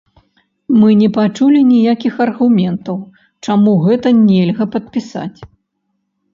Мы не пачулі ніякіх аргументаў, чаму гэта нельга падпісаць.